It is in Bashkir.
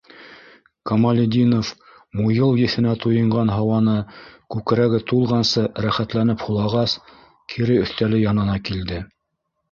Камалетдинов, муйыл еҫенә туйынған һауаны күкрәге тулғансы рәхәтләнеп һулағас, кире өҫтәле янына килде.